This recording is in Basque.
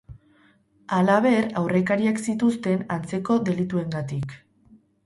Halaber, aurrekariak zituzten antzeko delituengatik.